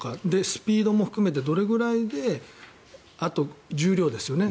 スピードも含めてどれぐらいであと、重量ですよね。